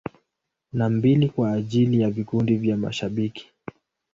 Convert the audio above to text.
Na mbili kwa ajili ya vikundi vya mashabiki.